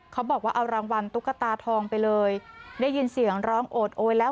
เขาบอกว่าเอารางวัลตุ๊กตาทองไปเลยได้ยินเสียงร้องโอดโอยแล้ว